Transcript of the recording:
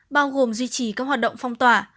bao gồm duy trì các hoạt động phong tỏa